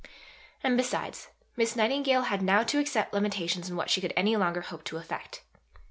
And, besides, Miss Nightingale had now to accept limitations in what she could any longer hope to effect.